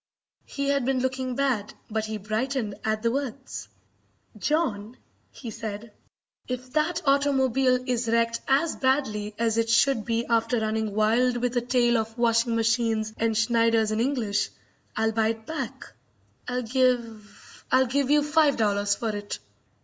He had been looking bad, but he brightened at the words. "John," he said, "if that automobile is wrecked as badly as it should be after running wild with a tail of washing machines and Schneiders in English, I'll buy it back. I'll give I'll give you five dollars for it."